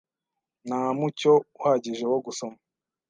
Nta mucyo uhagije wo gusoma